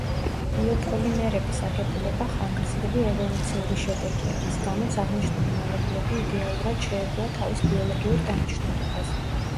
ბიოპოლიმერების აგებულება ხანგრძლივი ევოლუციური შედეგია, რის გამოც აღნიშნული მოლეკულები იდეალურად შეეგუა თავის ბიოლოგიურ დანიშნულებას.